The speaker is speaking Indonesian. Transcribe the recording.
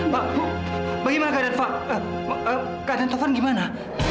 pak bagaimana keadaan fad keadaan taufan gimana